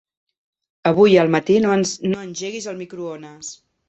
Avui al matí no engeguis el microones.